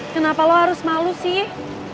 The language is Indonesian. kenapa lo harus malu sih